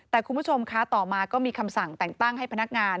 แต่คุณผู้ชมคะต่อมาก็มีคำสั่งแต่งตั้งให้พนักงาน